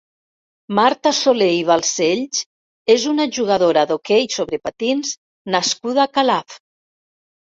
Marta Soler i Balcells és una jugadora d’hoquei sobre patins nascuda a Calaf.